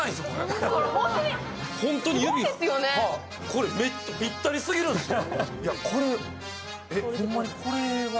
これぴったりすぎるんですよ。